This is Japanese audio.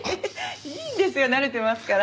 いいんですよ慣れてますから。